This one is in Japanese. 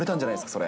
それ。